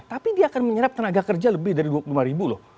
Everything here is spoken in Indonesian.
tapi dia akan menyerap tenaga kerja lebih dari dua puluh lima ribu loh